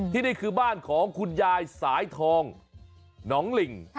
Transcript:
นี่คือบ้านของคุณยายสายทองหนองลิง